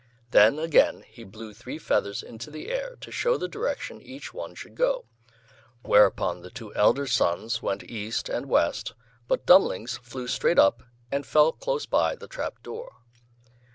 Then, again, he blew three feathers into the air to show the direction each one should go; whereupon the two elder sons went east and west, but Dummling's flew straight up, and fell close by the trap door.